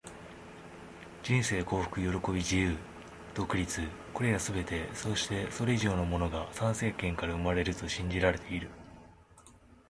人生、幸福、喜び、自由、独立――これらすべて、そしてそれ以上のものが参政権から生まれると信じられている。